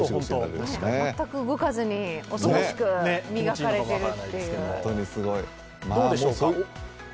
全く動かずに、おとなしく磨かれているっていう。